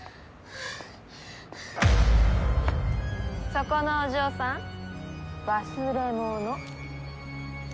そこのお嬢さん忘れ物。